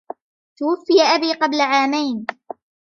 توفي أبي قبل عامين.